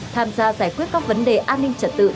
tham gia giải quyết các vấn đề an ninh trật tự